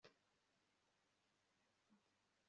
vuga ibitagangurirwa cyangwa ibimonyo